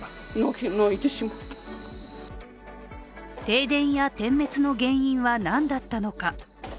停電や点滅の原因はなんだったのか。